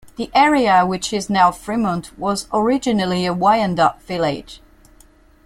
The area which is now Fremont was originally a Wyandot village.